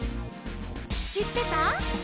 「しってた？」